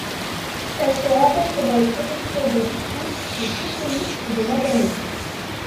Elle se rencontre dans les préfectures de Gifu, de Fukui et de Nagano.